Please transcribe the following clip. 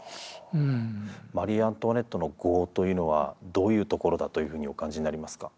マリー・アントワネットの業というのはどういうところだというふうにお感じになりますか。